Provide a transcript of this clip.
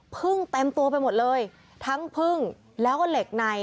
พึ่งเต็มตัวไปหมดเลยทั้งพึ่งแล้วก็เหล็กใน